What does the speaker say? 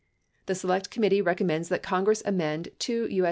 The Select Committee recommends that Congress amend 2 U.